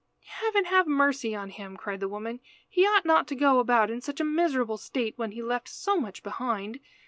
"Heaven have mercy on him!" cried the woman. "He ought not to go about in such a miserable state when he left so much behind.